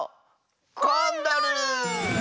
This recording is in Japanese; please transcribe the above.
コンドル！